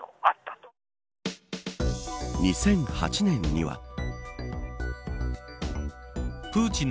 ２００８年には。